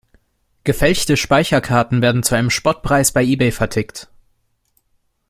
Gefälschte Speicherkarten werden zu einem Spottpreis bei Ebay vertickt.